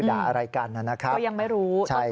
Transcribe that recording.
ด้วยความเคารพนะคุณผู้ชมในโลกโซเชียล